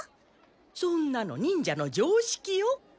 そんなの忍者のじょうしきよ。